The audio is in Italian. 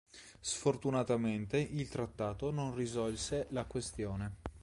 Sfortunatamente il trattato non risolse la questione.